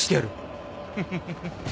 フフフ。